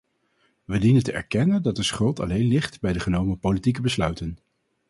We dienen te erkennen dat de schuld alleen ligt bij de genomen politieke besluiten.